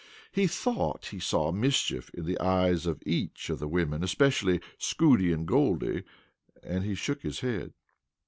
He thought he saw mischief in the eyes of each of the women, especially Scootie and Goldie, and he shook his head.